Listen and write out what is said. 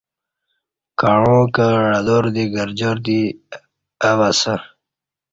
کعاں کں عدار دی گرجار دی او اسہ